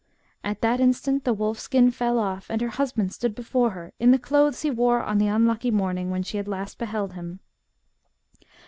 At that instant the wolf skin fell off, and her husband stood before her in the clothes he wore on the unlucky morning when she had last beheld him.